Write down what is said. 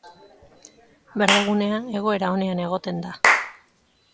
Berdegunea egoera onean egoten da.